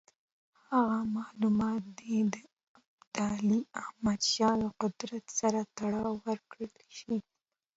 هغه معلومات دې د ابدالي احمدشاه له قدرت سره تړاو ورکړل شي.